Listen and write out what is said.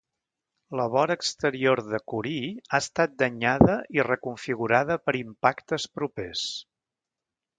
La vora exterior de Curie ha estat danyada i reconfigurada per impactes propers.